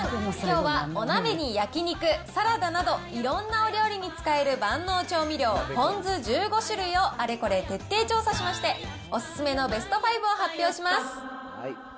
きょうはお鍋に焼き肉、サラダなど、いろんなお料理に使える万能調味料、ポン酢１５種類をあれこれ徹底調査しまして、おすすめのベスト５を発表します。